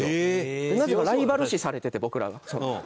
なぜかライバル視されてて僕らが。